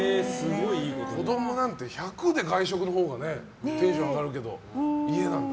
子供なんて外食のほうがテンション上がるけど家なんだ。